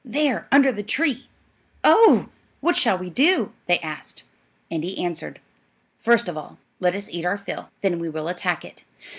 "There, under the tree." "Oh h! What shall we do?" they asked. And he answered: "First of all, let us eat our fill, then we will attack it.